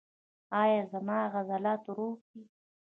ایا زما عضلات روغ دي؟